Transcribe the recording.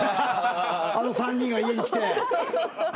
あの３人が家に来て。